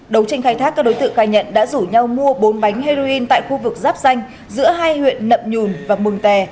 đấu tranh khai thác các đối tượng khai nhận đã rủ nhau mua bốn bánh heroin tại khu vực giáp danh giữa hai huyện nậm nhùn và mừng tè